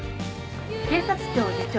警察庁次長